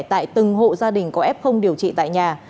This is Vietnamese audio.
tại từng hộ gia đình có f điều trị tại nhà